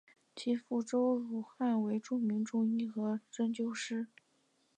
其父周汝汉为著名中医与针灸师。